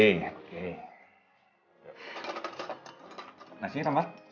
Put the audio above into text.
nasi ini sama